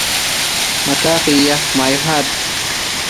بدأت ليلى تقصّ على سامي بعض قصص حياتها.